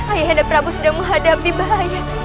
ayah handa prabu sudah menghadapi bahaya